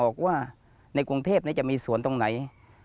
ก็นึกไม่ออกว่าในกรุงเทพฯจะมีสวนตรงไหน